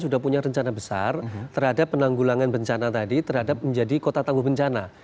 sudah punya rencana besar terhadap penanggulangan bencana tadi terhadap menjadi kota tangguh bencana